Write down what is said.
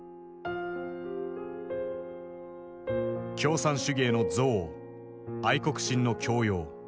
共産主義への憎悪愛国心の強要。